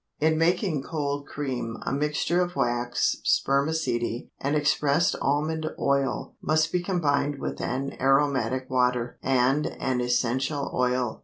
In making cold cream, a mixture of wax, spermaceti, and expressed almond oil must be combined with an aromatic water and an essential oil.